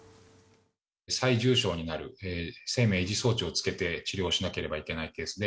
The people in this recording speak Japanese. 最重症になる、生命維持装置をつけて治療しなければいけないケースで、